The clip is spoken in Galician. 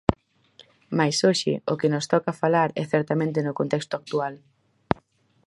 Mais hoxe, o que nos toca falar é certamente no contexto actual.